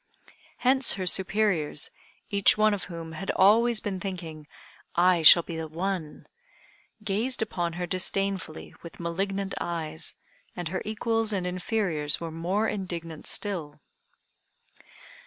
Hence her superiors, each one of whom had always been thinking "I shall be the one," gazed upon her disdainfully with malignant eyes, and her equals and inferiors were more indignant still.